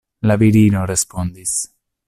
La virino respondis: